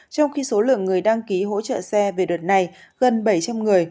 trong khi số lượng người đăng ký hỗ trợ xe về đợt này gần bảy trăm linh người